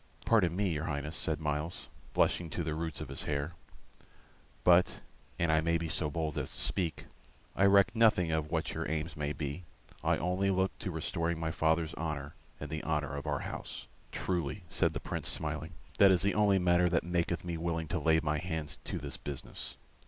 "Pardon me, your Highness," said Myles, blushing to the roots of his hair; "but, an I may be so bold as to speak, I reck nothing of what your aims may be; I only look to restoring my father's honor and the honor of our house." "Truly," said the Prince, smiling, "that is the only matter that maketh me willing to lay my hands to this business.